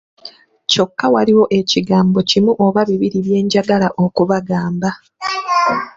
Kyokka waliwo ekigambo kimu oba bibiri bye njagala okubagamba.